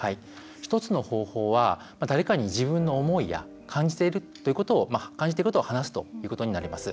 １つの方法は、誰かに自分の思いや感じてることを話すということになります。